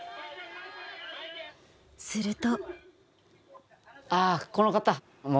すると。